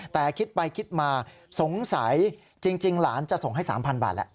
แต่คิดไปคิดมาสงสัยจริงหลานจะส่งให้๓๐๐บาทแหละ